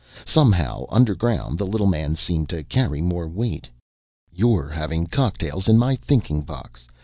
Somehow, underground, the little man seemed to carry more weight. "You're having cocktails in my thinking box.